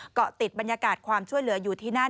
เกาะติดบรรยากาศความช่วยเหลืออยู่ที่นั่น